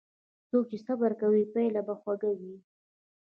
څوک چې صبر کوي، پایله یې خوږه وي.